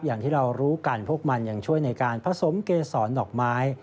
อย่างที่เรารู้กันพวกมันยังช่วยในการผสมเกษรดอกไม้